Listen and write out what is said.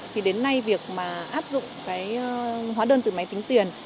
thì đến nay việc mà áp dụng cái hóa đơn từ máy tính tiền